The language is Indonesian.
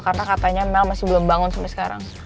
karena katanya mel masih belum bangun sampai sekarang